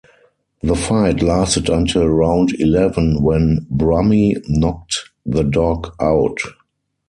The fight lasted until round eleven when Brummy knocked the dog out.